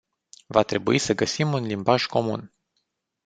Va trebui să găsim un limbaj comun.